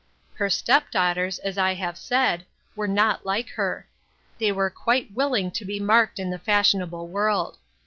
Her step daughters, as I have said, were not like her. They were quite willing to be marked in the fashionable world.